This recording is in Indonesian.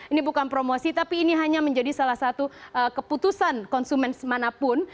ini bukan promosi tapi ini hanya menjadi salah satu keputusan konsumen manapun